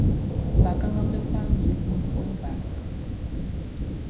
Bakannganʼm be fa nzue kunmanʼn nun ba.